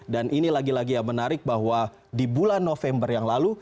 dan ini lagi lagi yang menarik bahwa di bulan november yang lalu